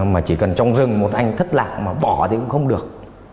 mà chỉ cần trồng rừng một anh thất lạc mà bỏ thì cũng không được